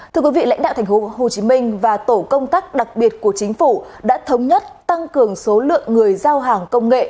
thưa quý vị lãnh đạo tp hcm và tổ công tác đặc biệt của chính phủ đã thống nhất tăng cường số lượng người giao hàng công nghệ